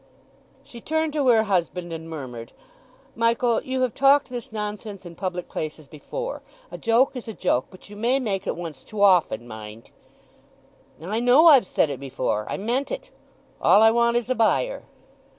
She turned to her husband and murmured, "Michael, you have talked this nonsense in public places before. A joke is a joke, but you may make it once too often, mind!" "I know I've said it before; I meant it. All I want is a buyer."